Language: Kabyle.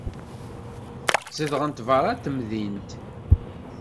Zedɣent beṛṛa n temdint.